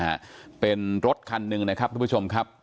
ฮะเป็นรถคันหนึ่งนะครับทุกผู้ชมครับ